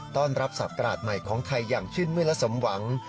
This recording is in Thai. ต้อนรับศาสตราดใหม่ของไทยอย่างชื่นมื้นและสมหวัง